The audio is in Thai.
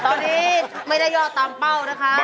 ตอนนี้ไม่ได้ยอดตามเป้านะคะ